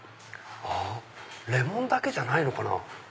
レモンだけじゃないのかな。